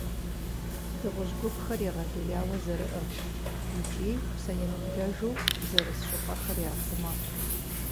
Дыгъужь гупхэр егъэлеяуэ зэрыӏыгъщ, икӏи псэемыблэжу зэрыс щӏыпӏэхэр яхъумэ.